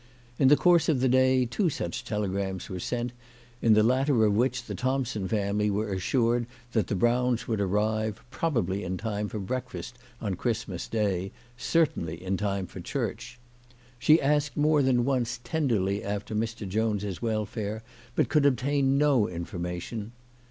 In the course of the day two such telegrams were sent, in the latter of which the Thompson family were assured that the Browns would arrive, probably in time for breakfast on Christmas Day, certainly in time for church. She asked more than once tenderly after Mr. Jones' welfare, but could obtain no information.